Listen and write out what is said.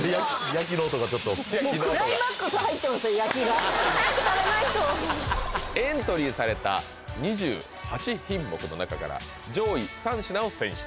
焼きが早く食べないとエントリーされた２８品目の中から上位３品を選出